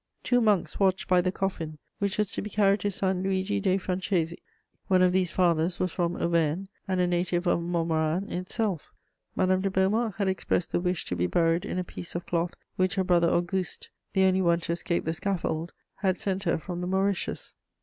Two monks watched by the coffin, which was to be carried to San Luigi dei Francesi. One of these fathers was from Auvergne and a native of Montmorin itself. Madame de Beaumont had expressed the wish to be buried in a piece of cloth which her brother Auguste, the only one to escape the scaffold, had sent her from the Mauritius.